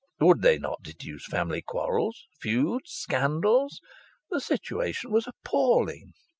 Would they not deduce family quarrels, feuds, scandals? The situation was appalling.